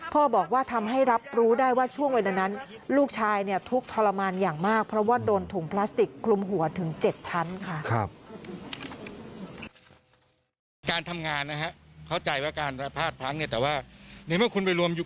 พ่อบอกว่าทำให้รับรู้ได้ว่าช่วงเวลานั้นลูกชายเนี่ยทุกข์ทรมานอย่างมากเพราะว่าโดนถุงพลาสติกคลุมหัวถึง๗ชั้นค่ะ